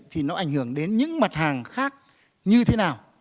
thì nó ảnh hưởng đến những mặt hàng khác như thế nào